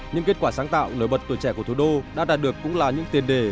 những kết quả sáng tạo nổi bật tuổi trẻ của thủ đô đã đạt được cũng là những tiền đề